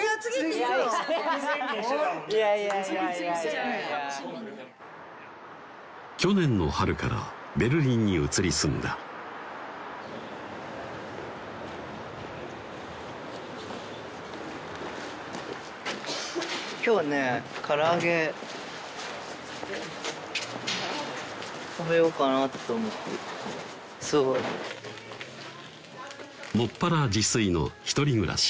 いやいやいやいやいやいやいや去年の春からベルリンに移り住んだ今日はねぇから揚げ食べようかなっと思っていて専ら自炊の１人暮らし